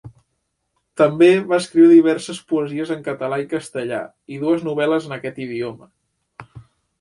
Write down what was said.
També va escriure diverses poesies en català i castellà i dues novel·les en aquest idioma.